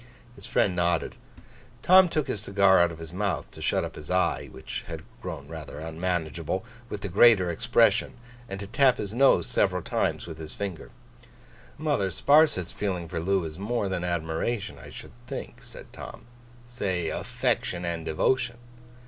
His friend nodded. Tom took his cigar out of his mouth, to shut up his eye (which had grown rather unmanageable) with the greater expression, and to tap his nose several times with his finger. 'Mother Sparsit's feeling for Loo is more than admiration, I should think,' said Tom. 'Say affection and devotion.